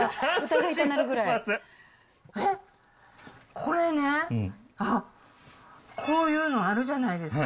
これね、あっ、こういうのあるじゃないですか。